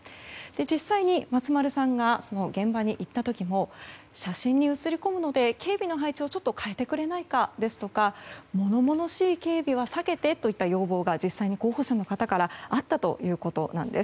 実際に、松丸さんが現場に行った時も写真に写りこむので警備の配置をちょっと変えてくれないかですとか物々しい警備は避けてという要望が、候補者の方からあったということなんです。